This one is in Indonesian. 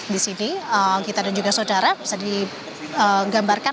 di sini gita dan juga saudara bisa digambarkan